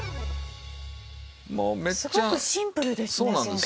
すごくシンプルですね先生。